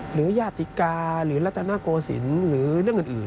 หรือยาติกาหรือรัตนโกสินหรือเรื่องอื่น